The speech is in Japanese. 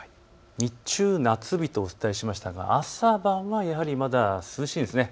日中、夏日とお伝えしましたが朝晩はやはりまだ涼しいんです。